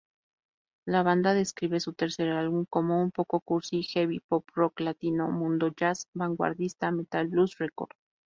La banda describe su tercer álbum como "Un poco cursi heavy-pop-rock-latino-mundo-jazz-vanguardista-metal-blues-record".